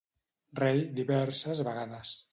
Rei diverses vegades.